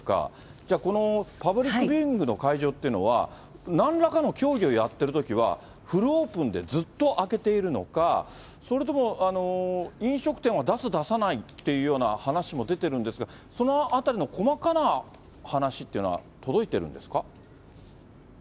じゃあ、このパブリックビューイングの会場っていうのは、なんらかの競技をやってるときは、フルオープンで、ずっと開けているのか、それとも飲食店は出す出さないっていうような話も出てるんですが、そのあたりの細かな話っていうのは届いてるんですか？